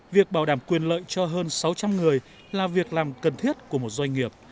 việc bảo đảm quyền lợi cho hơn sáu trăm linh người là việc làm cần thiết của một doanh nghiệp